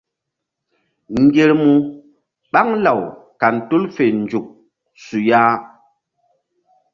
Ŋgermu ɓaŋ law kan tul fe nzuk su ya.